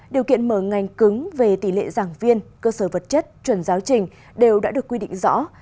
điều kiện mở ngành cứng về tỷ lệ giảng viên cơ sở vật chất chuẩn giáo trình đều đã được quy định rõ